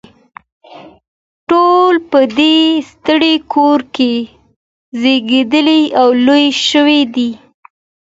ټول په دې ستر کور کې زیږیدلي او لوی شوي دي.